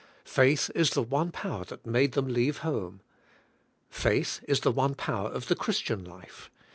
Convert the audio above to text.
Faith is the one power that made them leave home. Faith is the one power of the Christian life.